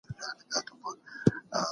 په نوي کتاب باندې پخوانی تاریخ مه وهئ.